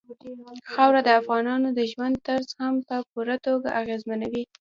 خاوره د افغانانو د ژوند طرز هم په پوره توګه اغېزمنوي.